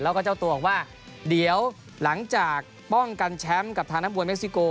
แล้วก็เจ้าตัวบอกว่าเดี๋ยวหลังจากป้องกันแชมป์กับทางนักมวยเม็กซิโก